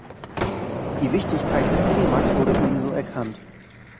Die Wichtigkeit des Themas wurde ebenso erkannt.